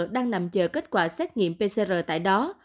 đang nằm chờ kết quả xét nghiệm pcr tại đó